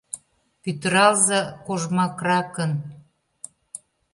Пӱтыралза кожмакракын!..